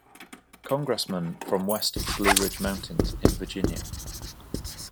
Congressman from west of the Blue Ridge mountains in Virginia.